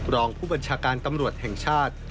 รองผู้บัญชาการตำรวจแห่งชาติ